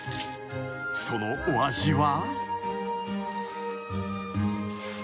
［そのお味は］